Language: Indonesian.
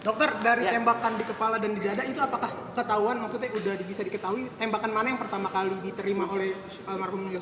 dokter dari tembakan di kepala dan di dada itu apakah ketahuan maksudnya udah bisa diketahui tembakan mana yang pertama kali diterima oleh almarhum yosua